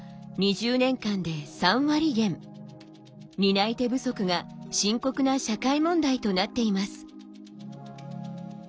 担い手不足が深刻な社会問題となっています。